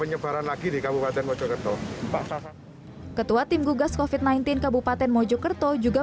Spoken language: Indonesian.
penyebaran lagi di kabupaten mojokerto ketua tim gugas kofit sembilan belas kabupaten mojokerto juga